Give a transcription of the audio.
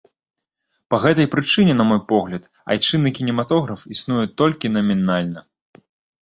Па гэтай прычыне, на мой погляд, айчыны кінематограф існуе толькі намінальна.